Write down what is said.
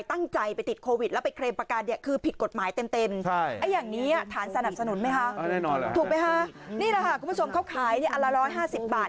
คุณผู้ชมเขาขายเนี่ยอันละร้อยห้าสิบบาท